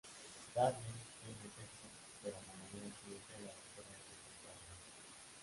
Darling tienen sexo, pero a la mañana siguiente la Doctora es secuestrada.